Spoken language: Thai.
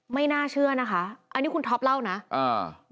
ไม่น่าเชื่อนะคะอันนี้คุณท็อปเล่านะอ่า